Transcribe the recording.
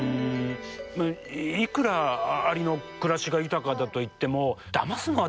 いくらアリの暮らしが豊かだといってもだますのはでもどうなのかな？